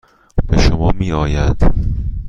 به شما میآید.